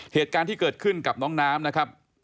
เหตุการณ์ที่เกิดขึ้นกับน้องน้ำนะครับ